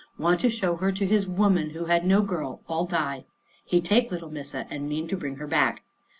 Want to show her to his woman who had no girl, all die. He take little Missa and mean to bring her back.